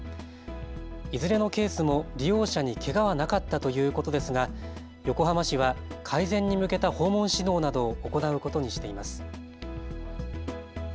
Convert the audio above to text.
いずれのケースも利用者にけがはなかったということですが横浜市は改善に向けた訪問指導などを行うことにしています。